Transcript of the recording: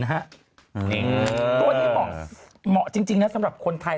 ตัวนี้เหมาะจริงนะสำหรับคนไทย